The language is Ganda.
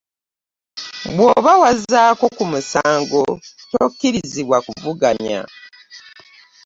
Bw'oba wazzaako ku musango tokkirizibwa kuvuganya.